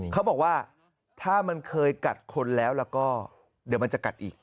เขาบอกว่าถ้ามันเคยกัดคนแล้วแล้วก็เดี๋ยวมันจะกัดอีก